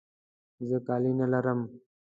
زه کالي نه لرم.